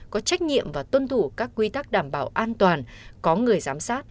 có trách nhiệm và tuân thủ các quy tắc đảm bảo an toàn có người giám sát